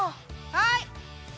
はい。